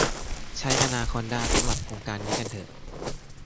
ใช้อนาคอนดาสำหรับโครงการนี้กันเถอะ